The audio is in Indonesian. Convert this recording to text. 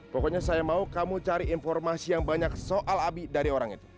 pokoknya saya mau kamu cari informasi yang banyak soal abi dari orang itu